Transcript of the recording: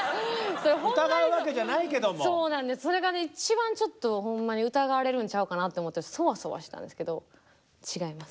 そうなんですそれがね一番ちょっとほんまに疑われるんちゃうかなって思ってそわそわしたんですけど違います。